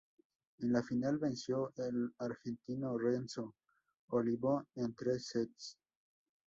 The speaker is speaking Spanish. En la final venció al argentino Renzo Olivo en tres sets.